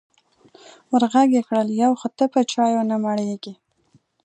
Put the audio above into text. ور غږ یې کړل: یو خو ته په چایو نه مړېږې.